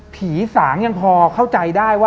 สางยังพอเข้าใจได้ว่า